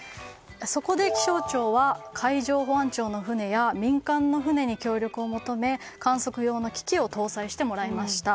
そこで気象庁は海上保安庁の船や民間の船に協力を求め観測用の機器を搭載してもらいました。